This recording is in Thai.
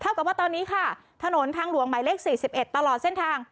เท่ากับว่าตอนนี้ค่ะถนนทางหลวงใหม่เล็กสี่สิบเอ็ดตลอดเส้นทาง